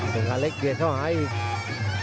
ส่องขาเล็กเบียดเข้ามาอีก